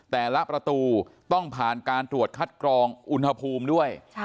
แต่ละประตูต้องผ่านการตรวจคัดกรองอุณหภูมิด้วย